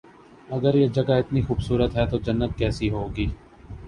اگر یہ جگہ اتنی خوب صورت ہے تو جنت کیسی ہو گی